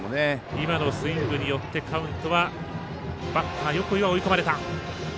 今のスイングによってカウントはバッター、横井は追い込まれた。